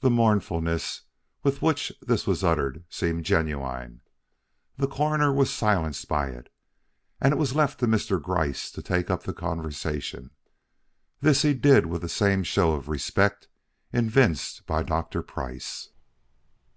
The mournfulness with which this was uttered seemed genuine. The Coroner was silenced by it, and it was left to Mr. Gryce to take up the conversation. This he did with the same show of respect evinced by Dr. Price.